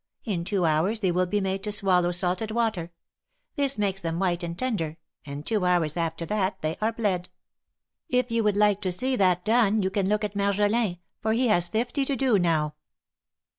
In two hours they will be made to swallow salted water: this makes them white and tender; and two hours after that they are bled. If you would like to see that done, you can look at Marjolin, for he has fifty to do now."